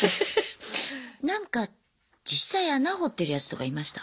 なんか実際穴掘ってるやつとかいました？